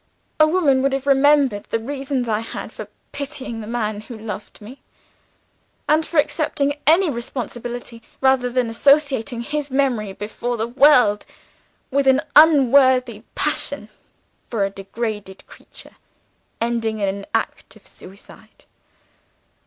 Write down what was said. A woman would have remembered what reasons I had for pitying the man who loved me, and for accepting any responsibility rather than associate his memory, before the world, with an unworthy passion for a degraded creature, ending in an act of suicide.